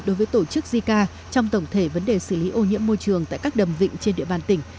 đối với tổ chức zika trong tổng thể vấn đề xử lý ô nhiễm môi trường tại các đầm vịnh trên địa bàn tỉnh